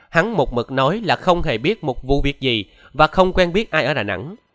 hắn một mực nói là không hề biết một vụ việc gì và không quen biết ai ở đà nẵng